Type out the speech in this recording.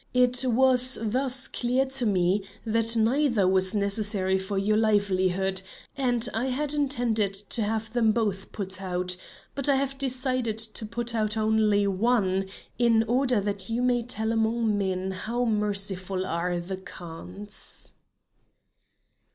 It was thus clear to me that neither was necessary for your livelihood, and I had intended to have them both put out, but I have decided to put out only one in order that you may tell among men how merciful are the Khans."